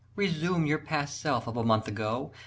Resume your past self of a month ago!